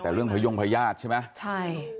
แต่เรื่องพยงพญาติใช่ไหมใช่